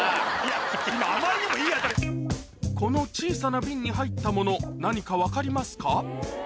この小さな瓶に入ったもの何か分かりますか？